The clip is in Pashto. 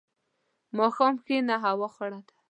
په ماښام کښېنه، هوا خړه ده.